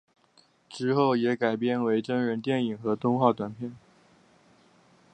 之后也改编为真人电影和动画短片。